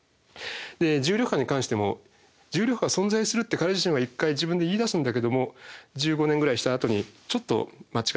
重力波に関しても重力波は存在するって彼自身は一回自分で言いだすんだけども１５年ぐらいしたあとにちょっと間違った論文を書いてしまったりする。